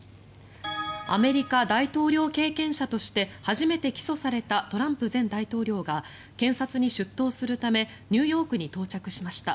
アメリカ大統領経験者として初めて起訴されたトランプ前大統領が検察に出頭するためニューヨークに到着しました。